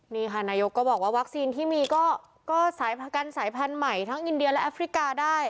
นี่ค่ะนายกก็บอกว่าวัคซีนที่มีก็สายประกันสายพันธุ์ใหม่ทั้งอินเดียและแอฟริกาได้